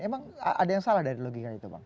emang ada yang salah dari logika itu bang